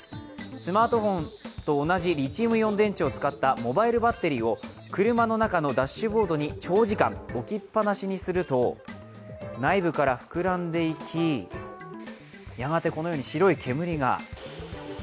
スマートフォンと同じリチウムイオン電池を使ったモバイルバッテリーを車の中のダッシュボードに長時間置きっぱなしにすると内部から膨らんでいきやがてこのように白い煙が。